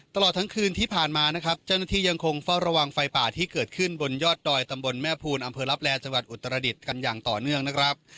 ตลอดทั้งคืนที่ผ่านมานะครับเจ้าหน้าที่ยังคงเฝ้าระวังไฟป่าที่เกิดขึ้นบนยอดดอยตำบลแม่ภูลอำเภอลับแลจังหวัดอุตรดิษฐ์กันอย่างต่อเนื่องนะครับ